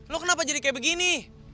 lo kenapa jadi kayak begini